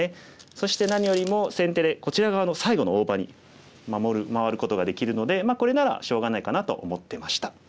そして何よりも先手でこちら側の最後の大場に回ることができるのでこれならしょうがないかなと思ってました。